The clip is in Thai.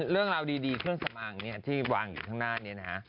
เรื่องราวดีเครื่องสำอางที่วางอยู่ข้างหน้านี้นะฮะ